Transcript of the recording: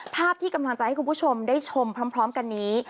ภาพที่กำลังจะให้คุณผู้ชมได้ชมพร้อมกันนี้